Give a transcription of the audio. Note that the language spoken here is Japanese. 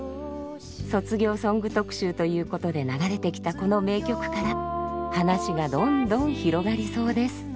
卒業ソング特集ということで流れてきたこの名曲から話がどんどん広がりそうです。